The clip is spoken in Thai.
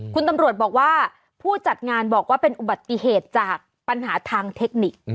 คุณตำรวจบอกว่าผู้จัดงานบอกว่าเป็นอุบัติเหตุจากปัญหาทางเทคนิค